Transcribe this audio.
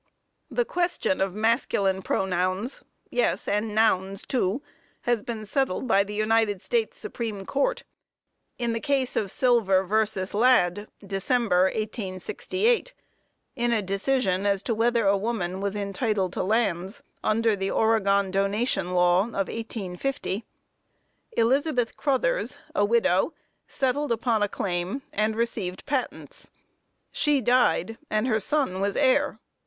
The question of the masculine pronouns, yes and nouns, too, has been settled by the United States Supreme Court, in the Case of Silver versus Ladd, December, 1868, in a decision as to whether a woman was entitled to lands, under the Oregon donation law of 1850. Elizabeth Cruthers, a widow, settled upon a claim, and received patents. She died, and her son was heir.